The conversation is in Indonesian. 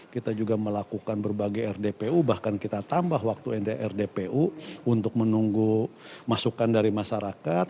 kita juga melakukan berbagai rdpu bahkan kita tambah waktu rdpu untuk menunggu masukan dari masyarakat